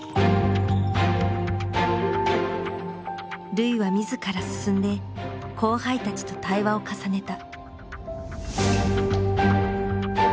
瑠唯は自ら進んで後輩たちと対話を重ねた。